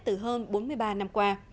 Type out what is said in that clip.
từ hơn bốn mươi ba năm qua